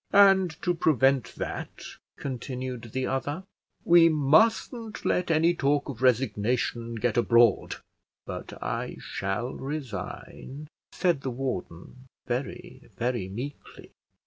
"And to prevent that," continued the other, "we mustn't let any talk of resignation get abroad." "But I shall resign," said the warden, very, very meekly.